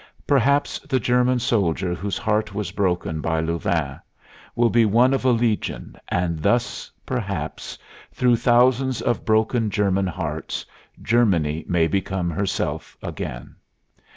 Perhaps the German soldier whose heart was broken by Louvain will be one of a legion, and thus, perhaps, through thousands of broken German hearts, Germany may become herself again.